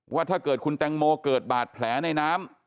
ว่าถ้าเกิดคุณแตงโมเกิดบาดแผลในน้ำ